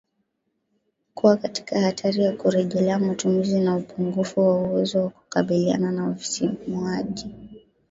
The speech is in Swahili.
kuwa katika hatari ya kurejelea matumizi na upungufu wa uwezo wa kukabiliana na visisimuaji